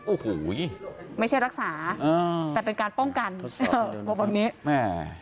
โอ้โหไม่ใช่รักษาเออแต่เป็นการป้องกันเออบอกแบบนี้แม่